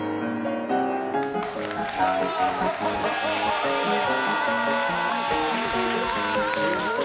こんにちは！